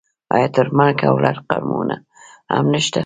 آیا ترکمن او لر قومونه هم نشته؟